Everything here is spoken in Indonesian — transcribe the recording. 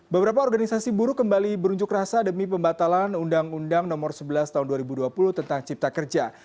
beberapa organisasi buruh kembali berunjuk rasa demi pembatalan undang undang nomor sebelas tahun dua ribu dua puluh tentang cipta kerja